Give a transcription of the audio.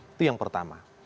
itu yang pertama